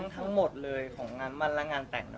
ทั้งหมดเลยของงานมั่นและงานแต่ง